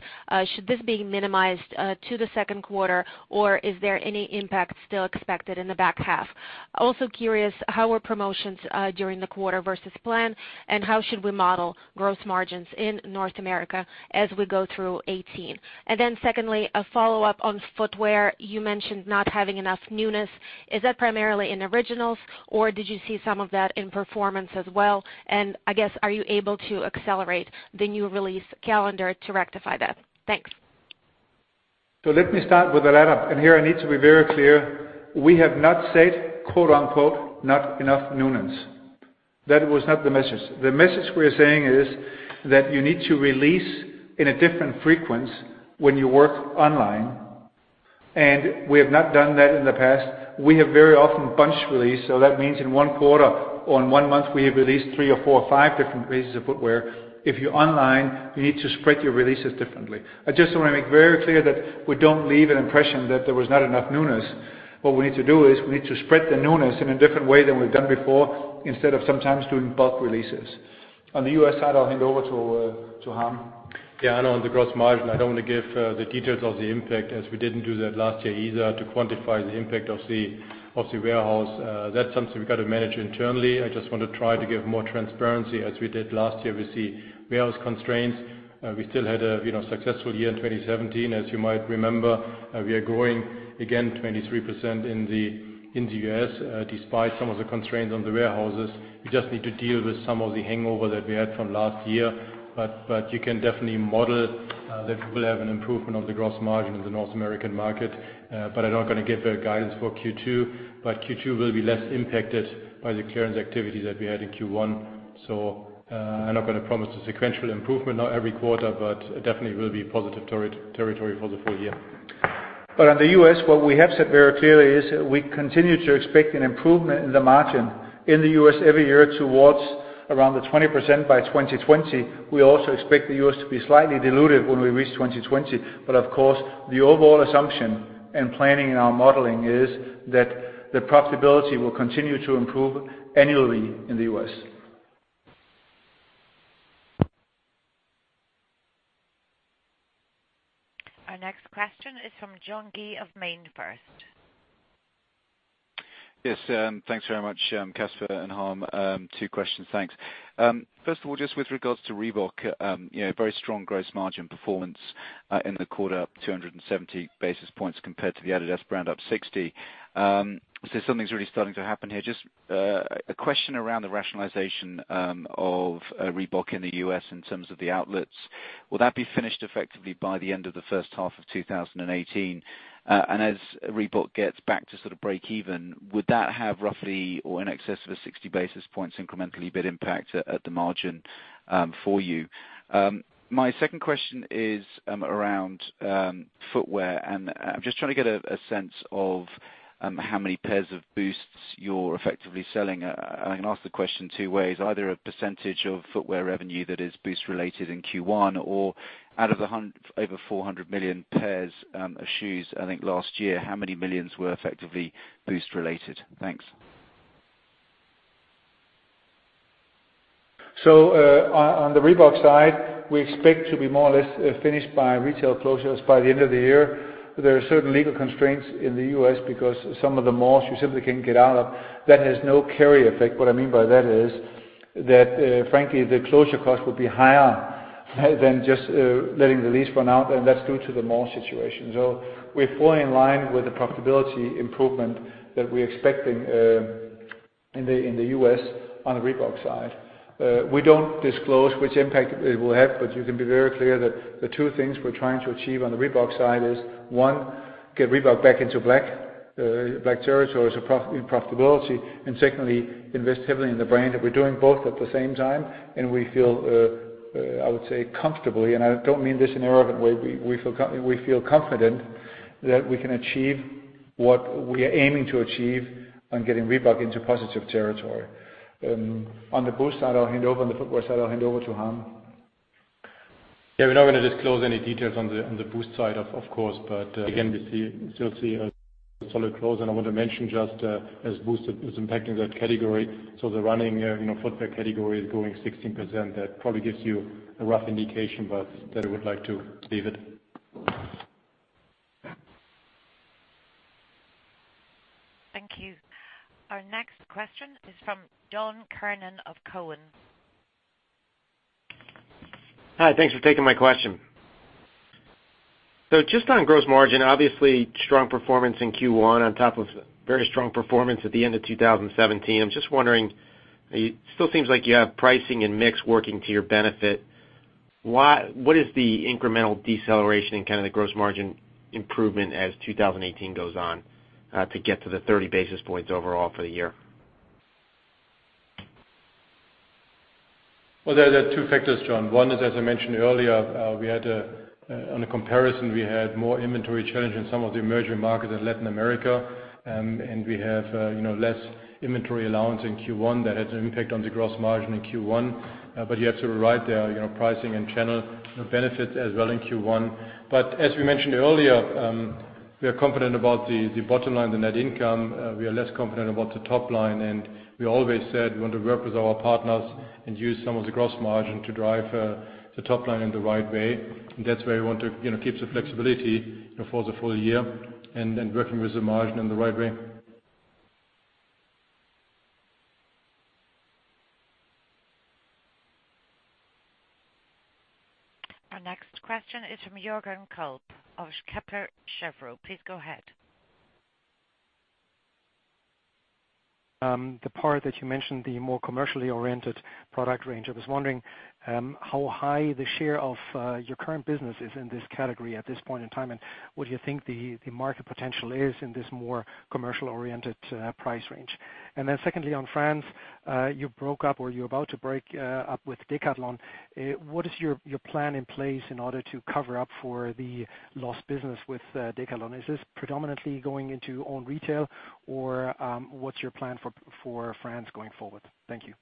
Should this be minimized to the second quarter, or is there any impact still expected in the back half? Also curious, how were promotions during the quarter versus plan, and how should we model gross margins in North America as we go through 2018? Secondly, a follow-up on footwear. You mentioned not having enough newness. Is that primarily in Originals, or did you see some of that in performance as well? Are you able to accelerate the new release calendar to rectify that? Thanks. Let me start with the latter. Here I need to be very clear. We have not said, quote unquote, "not enough newness." That was not the message. The message we're saying is that you need to release in a different frequency when you work online, and we have not done that in the past. We have very often bunch released. That means in one quarter or in one month, we have released three or four or five different pieces of footwear. If you're online, you need to spread your releases differently. I just want to make very clear that we don't leave an impression that there was not enough newness. What we need to do is we need to spread the newness in a different way than we've done before, instead of sometimes doing bulk releases. On the U.S. side, I'll hand over to Harm. I know on the gross margin, I don't want to give the details of the impact, as we didn't do that last year either, to quantify the impact of the warehouse. That's something we've got to manage internally. I just want to try to give more transparency, as we did last year with the warehouse constraints. We still had a successful year in 2017, as you might remember. We are growing again 23% in the U.S. despite some of the constraints on the warehouses. We just need to deal with some of the hangover that we had from last year. You can definitely model that we will have an improvement of the gross margin in the North American market. I'm not going to give guidance for Q2. Q2 will be less impacted by the clearance activity that we had in Q1. I'm not going to promise a sequential improvement now every quarter, but it definitely will be positive territory for the full year. On the U.S., what we have said very clearly is we continue to expect an improvement in the margin in the U.S. every year towards around 20% by 2020. We also expect the U.S. to be slightly dilutive when we reach 2020. Of course, the overall assumption and planning in our modeling is that the profitability will continue to improve annually in the U.S. Our next question is from John Guy of MainFirst. Yes. Thanks very much, Kasper and Harm. Two questions, thanks. First of all, just with regards to Reebok, very strong gross margin performance in the quarter, up 270 basis points compared to the adidas brand, up 60. Something's really starting to happen here. Just a question around the rationalization of Reebok in the U.S. in terms of the outlets. Will that be finished effectively by the end of the first half of 2018? And as Reebok gets back to sort of break even, would that have roughly or in excess of a 60 basis points incrementally bid impact at the margin for you? My second question is around footwear, and I'm just trying to get a sense of how many pairs of Boosts you're effectively selling. I can ask the question two ways, either a percentage of footwear revenue that is Boost related in Q1 or out of the over 400 million pairs of shoes, I think last year, how many millions were effectively Boost related? Thanks. On the Reebok side, we expect to be more or less finished by retail closures by the end of the year. There are certain legal constraints in the U.S. because some of the malls you simply can't get out of. That has no carry effect. What I mean by that is that, frankly, the closure cost will be higher than just letting the lease run out, and that's due to the mall situation. We're fully in line with the profitability improvement that we're expecting in the U.S. on the Reebok side. We don't disclose which impact it will have, but you can be very clear that the two things we're trying to achieve on the Reebok side is, one, get Reebok back into black territory, so profitability, and secondly, invest heavily in the brand. We're doing both at the same time, and we feel, I would say comfortably, and I don't mean this in an arrogant way, we feel confident that we can achieve what we are aiming to achieve on getting Reebok into positive territory. On the Boost side, I'll hand over, on the footwear side, I'll hand over to Harm. Yeah, we're not going to disclose any details on the Boost side, of course. Again, we still see a solid close, and I want to mention just as Boost is impacting that category. The running footwear category is growing 16%. That probably gives you a rough indication, but there I would like to leave it. Thank you. Our next question is from John Kernan of Cowen. Hi, thanks for taking my question. Just on gross margin, obviously strong performance in Q1 on top of very strong performance at the end of 2017. I'm just wondering, it still seems like you have pricing and mix working to your benefit. What is the incremental deceleration in the gross margin improvement as 2018 goes on to get to the 30 basis points overall for the year? Well, there are two factors, John. One is, as I mentioned earlier, on a comparison, we had more inventory challenges in some of the emerging markets in Latin America, and we have less inventory allowance in Q1 that had an impact on the gross margin in Q1. You have to rewrite the pricing and channel benefits as well in Q1. As we mentioned earlier, we are confident about the bottom line, the net income. We are less confident about the top line, and we always said we want to work with our partners and use some of the gross margin to drive the top line in the right way. That's where we want to keep the flexibility for the full year and working with the margin in the right way. Our next question is from Jürgen Kolb of Kepler Cheuvreux. Please go ahead. The part that you mentioned, the more commercially oriented product range. I was wondering, how high the share of your current business is in this category at this point in time, and what do you think the market potential is in this more commercial-oriented price range? Secondly, on France, you broke up, or you're about to break up with Decathlon. What is your plan in place in order to cover up for the lost business with Decathlon? Is this predominantly going into own retail, or what's your plan for France going forward? Thank you.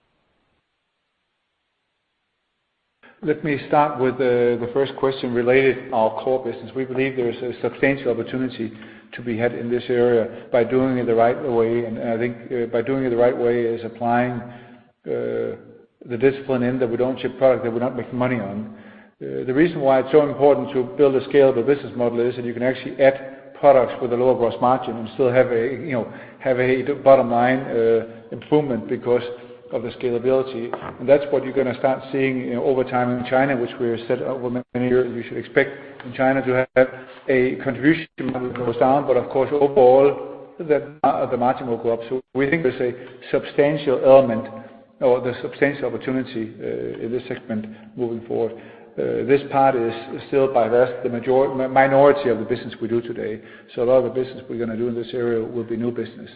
Let me start with the first question related our core business. We believe there is a substantial opportunity to be had in this area by doing it the right way. I think by doing it the right way is applying the discipline in that we don't ship product that we're not making money on. The reason why it's so important to build a scalable business model is that you can actually add products with a lower gross margin and still have a bottom-line improvement because of the scalability. That's what you're going to start seeing over time in China, which we have said over many years, we should expect from China to have a contribution margin goes down. Of course, overall, the margin will go up. We think there's a substantial element or the substantial opportunity in this segment moving forward. This part is still by far the minority of the business we do today. A lot of the business we're going to do in this area will be new business.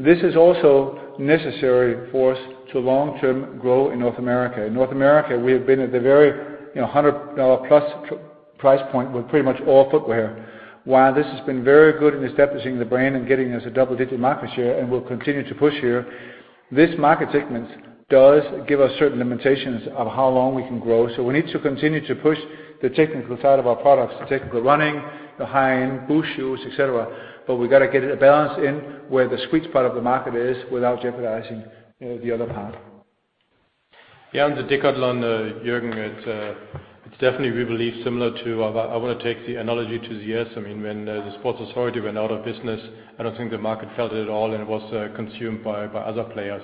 This is also necessary for us to long-term grow in North America. In North America, we have been at the very $100-plus price point with pretty much all footwear. While this has been very good in establishing the brand and getting us a double-digit market share and will continue to push here, this market segment does give us certain limitations of how long we can grow. We need to continue to push the technical side of our products, the technical running, the high-end boot shoes, et cetera. We got to get a balance in where the sweet spot of the market is without jeopardizing the other part. Yeah, on the Decathlon, Jürgen, it's definitely, we believe, similar to, I want to take the analogy to the U.S. When the Sports Authority went out of business, I don't think the market felt it at all, and it was consumed by other players.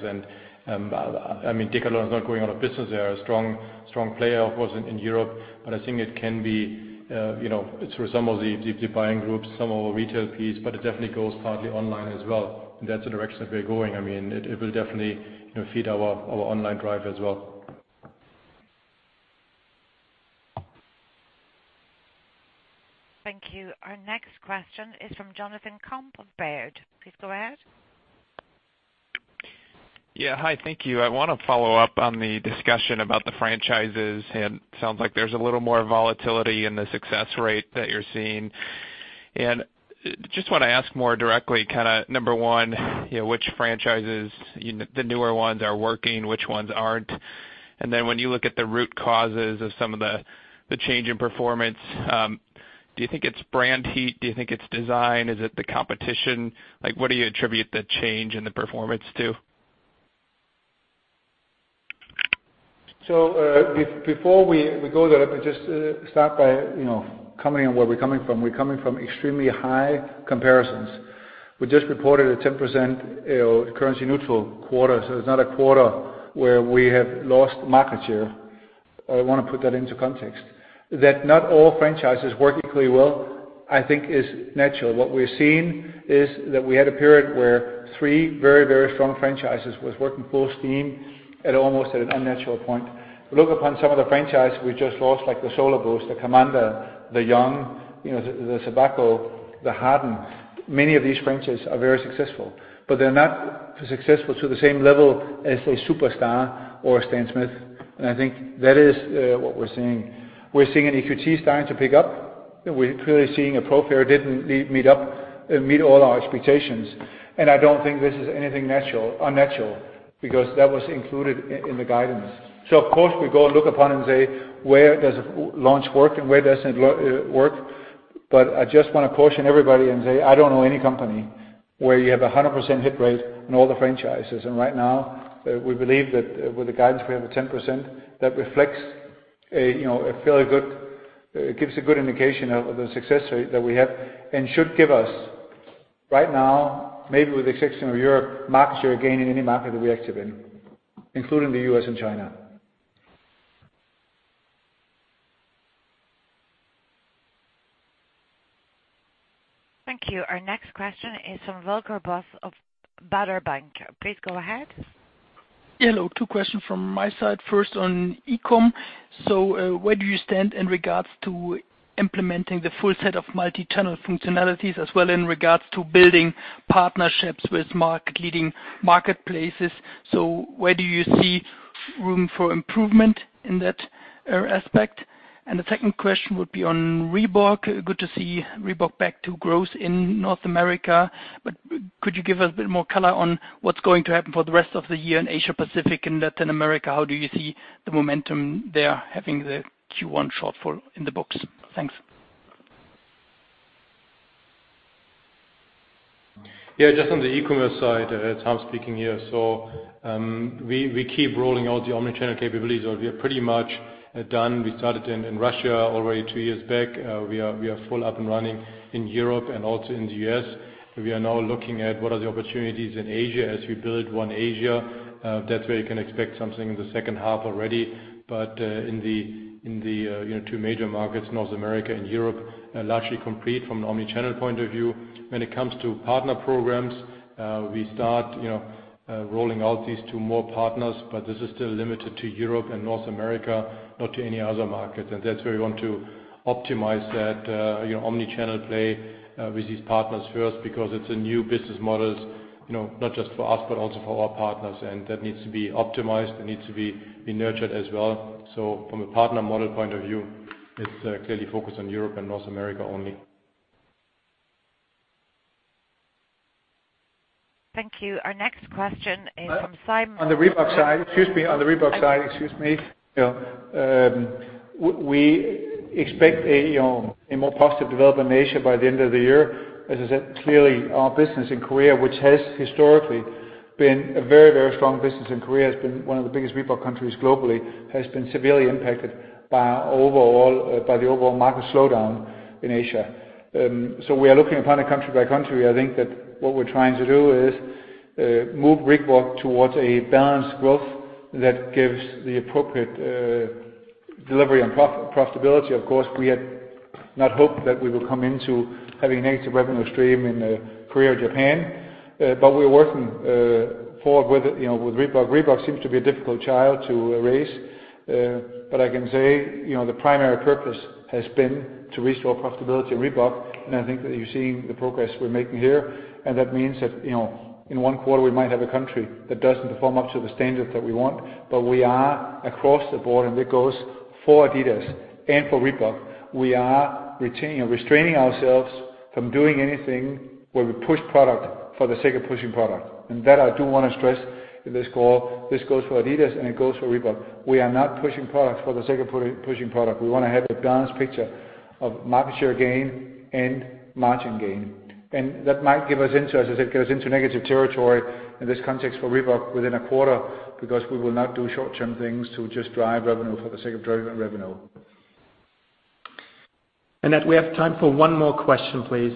Decathlon is not going out of business. They are a strong player, of course, in Europe, but I think it can be through some of the buying groups, some of our retail piece, but it definitely goes partly online as well. That's the direction that we're going. It will definitely feed our online drive as well. Thank you. Our next question is from Jonathan Komp of Baird. Please go ahead. Yeah. Hi, thank you. I want to follow up on the discussion about the franchises, and sounds like there's a little more volatility in the success rate that you're seeing. Just want to ask more directly, number 1, which franchises, the newer ones are working, which ones aren't? Then when you look at the root causes of some of the change in performance, do you think it's brand heat? Do you think it's design? Is it the competition? What do you attribute the change in the performance to? Before we go there, let me just start by coming in where we're coming from. We're coming from extremely high comparisons. We just reported a 10% currency neutral quarter. It's not a quarter where we have lost market share. I want to put that into context. That not all franchises work equally well, I think is natural. What we're seeing is that we had a period where three very strong franchises was working full steam at almost at an unnatural point. Look upon some of the franchises we just lost, like the Solar Boost, the Kamanda, the Yung, the Tobacco, the Harden. Many of these franchises are very successful, but they're not successful to the same level as a Superstar or a Stan Smith. I think that is what we're seeing. We're seeing an EQT starting to pick up. We are clearly seeing a Pro Court didn't meet all our expectations. I don't think this is anything unnatural, because that was included in the guidance. Of course, we go and look upon and say, where does a launch work and where doesn't it work? But I just want to caution everybody and say, I don't know any company where you have 100% hit rate in all the franchises. Right now, we believe that with the guidance we have at 10%, that reflects a fairly good- it gives a good indication of the success rate that we have and should give us right now, maybe with the exception of Europe, market share gain in any market that we activate, including the U.S. and China. Thank you. Our next question is from Volker Bosse of Baader Bank. Please go ahead. Hello. Two questions from my side. First on e-com. Where do you stand in regards to implementing the full set of multi-channel functionalities as well in regards to building partnerships with market-leading marketplaces? Where do you see room for improvement in that aspect? The second question would be on Reebok. Good to see Reebok back to growth in North America. But could you give us a bit more color on what's going to happen for the rest of the year in Asia-Pacific and Latin America? How do you see the momentum there having the Q1 shortfall in the books? Thanks. Yeah, just on the e-commerce side, it's Harm speaking here. We keep rolling out the omni-channel capabilities. We are pretty much done. We started in Russia already two years back. We are full up and running in Europe and also in the U.S. We are now looking at what are the opportunities in Asia as we build one Asia. That's where you can expect something in the second half already. But, in the two major markets, North America and Europe, are largely complete from an omni-channel point of view. When it comes to partner programs, we start rolling out these to more partners, but this is still limited to Europe and North America, not to any other market. That's where we want to optimize that omni-channel play with these partners first because it's a new business model, not just for us, but also for our partners, and that needs to be optimized and needs to be nurtured as well. From a partner model point of view, it's clearly focused on Europe and North America only. Thank you. Our next question is from Simon. On the Reebok side, excuse me. We expect a more positive development in Asia by the end of the year. As I said, clearly our business in Korea, which has historically been a very strong business in Korea, has been one of the biggest Reebok countries globally, has been severely impacted by the overall market slowdown in Asia. We are looking upon it country by country. I think that what we're trying to do is move Reebok towards a balanced growth that gives the appropriate delivery and profitability. Of course, we had not hoped that we would come into having a negative revenue stream in Korea or Japan, but we're working forward with Reebok. Reebok seems to be a difficult child to raise. I can say, the primary purpose has been to restore profitability in Reebok, and I think that you're seeing the progress we're making here. That means that, in one quarter, we might have a country that doesn't perform up to the standards that we want. We are across the board, and that goes for adidas and for Reebok. We are restraining ourselves from doing anything where we push product for the sake of pushing product. That I do want to stress in this call. This goes for adidas, and it goes for Reebok. We are not pushing products for the sake of pushing product. We want to have a balanced picture of market share gain and margin gain. That might give us interest as it goes into negative territory in this context for Reebok within a quarter because we will not do short-term things to just drive revenue for the sake of driving revenue. Annette, we have time for one more question, please.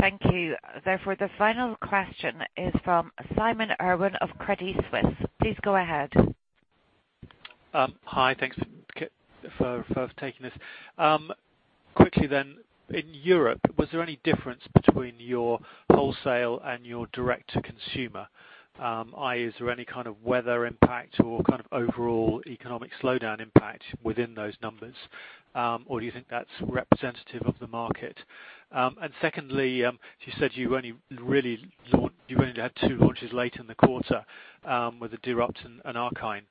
Thank you. The final question is from Simon Irwin of Credit Suisse. Please go ahead. Hi. Thanks for taking this. Quickly, in Europe, was there any difference between your wholesale and your direct-to-consumer? i.e., is there any kind of weather impact or kind of overall economic slowdown impact within those numbers? Do you think that's representative of the market? Secondly, you said you only really had two launches late in the quarter, with the Deerupt and Arkyn.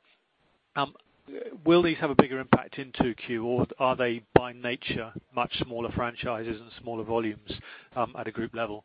Will these have a bigger impact into Q or are they by nature much smaller franchises and smaller volumes at a group level?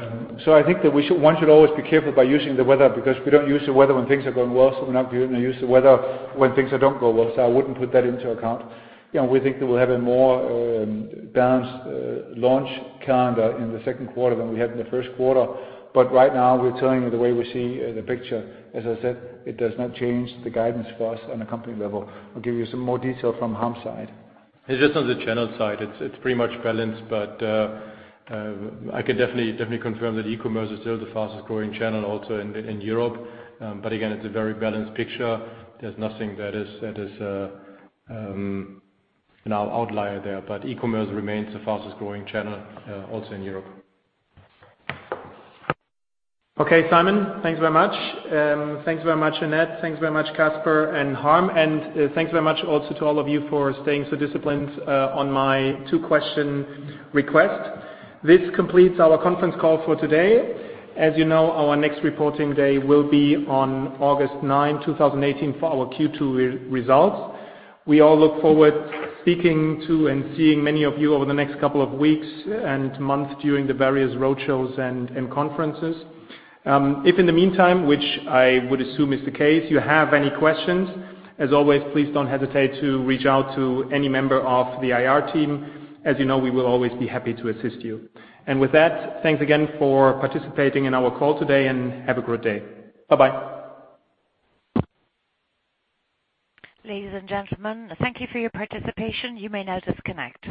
I think that one should always be careful by using the weather because we don't use the weather when things are going well, so we're not going to use the weather when things don't go well. I wouldn't put that into account. We think that we'll have a more balanced launch calendar in the second quarter than we had in the first quarter. Right now, we're telling you the way we see the picture. As I said, it does not change the guidance for us on a company level. I'll give you some more detail from Harm's side. Just on the channel side, it's pretty much balanced. I can definitely confirm that e-commerce is still the fastest-growing channel also in Europe. Again, it's a very balanced picture. There's nothing that is now outlier there. E-commerce remains the fastest-growing channel also in Europe. Okay, Simon, thanks very much. Thanks very much, Annette. Thanks very much, Kasper and Harm. Thanks very much also to all of you for staying so disciplined on my two-question request. This completes our conference call for today. As you know, our next reporting day will be on August ninth, 2018, for our Q2 results. We all look forward to speaking to and seeing many of you over the next couple of weeks and months during the various roadshows and conferences. If in the meantime, which I would assume is the case, you have any questions, as always, please don't hesitate to reach out to any member of the IR team. As you know, we will always be happy to assist you. With that, thanks again for participating in our call today, and have a great day. Bye-bye. Ladies and gentlemen, thank you for your participation. You may now disconnect.